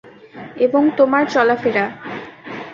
এবং তোমার চলাফেরা।